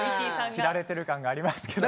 着られている感がありますけど。